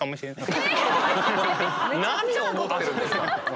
何を思ってるんですか？